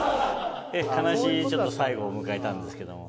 悲しいちょっと最後を迎えたんですけども。